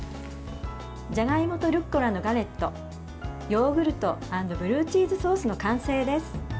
じゃがいもとルッコラのガレットヨーグルト＆ブルーチーズソースの完成です。